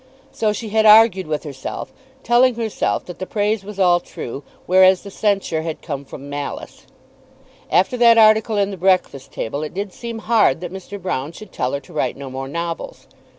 So she had argued with herself, telling herself that the praise was all true, whereas the censure had come from malice. After that article in the "Breakfast Table," it did seem hard that Mr. Broune should tell her to write no more novels.